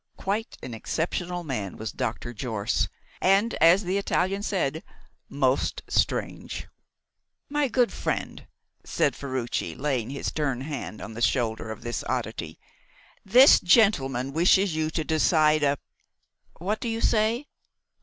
Quite an exceptional man was Dr. Jorce, and, as the Italian said, "most strange." "My good friend," said Ferruci, laying his stern hand on the shoulder of this oddity, "this gentleman wishes you to decide a what do you say?